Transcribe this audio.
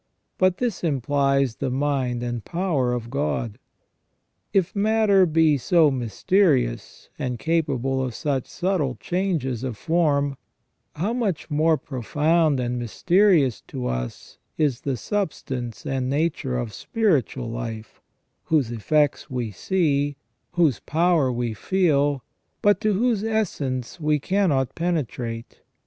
But this implies the mind and power of God. If matter be so mysterious, and capable of such subtle changes of form, how much more profound and mysterious to us is the substance and nature of spiritual life, whose effects we see, whose power we feel, but to whose essence we cannot penetrate.